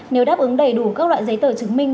nếu đáp ứng đầy đủ các loại giấy tờ chứng minh